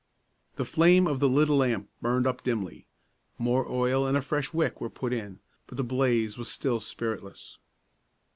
The flame of the little lamp burned up dimly. More oil and a fresh wick were put in, but the blaze was still spiritless.